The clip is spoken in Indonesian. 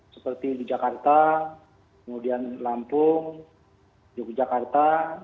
seperti di jakarta kemudian lampung yogyakarta